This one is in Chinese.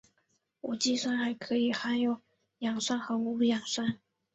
无机酸还可以分成含氧酸和无氧酸。